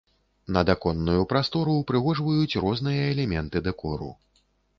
Надаконную прастору ўпрыгожваюць розныя элементы дэкору.